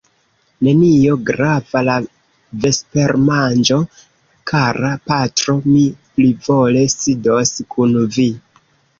Nenio grava, la vespermanĝo, kara patro; mi plivole sidos kun vi.